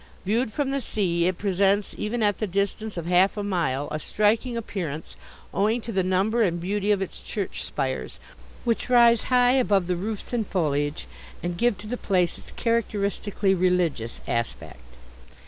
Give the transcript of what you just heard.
Viewed from the sea, it presents, even at the distance of half a mile, a striking appearance owing to the number and beauty of its church spires, which rise high above the roofs and foliage and give to the place its characteristically religious aspect.